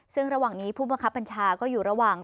ซึ่งระหว่างนี้ผู้บังคับบัญชาก็อยู่ระหว่าง